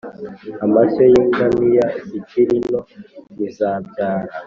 Amashyo y ingamiya zikiri nto ntizibyara